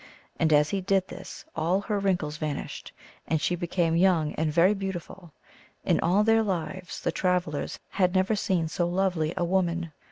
And as he did this all her wrinkles vanished, and she be came young and very beautiful ; in all their lives the travelers had never seen so lovely a woman.